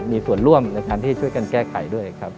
มีส่วนร่วมในการที่ช่วยกันแก้ไขด้วยครับ